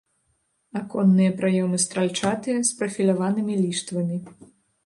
Аконныя праёмы стральчатыя з прафіляванымі ліштвамі.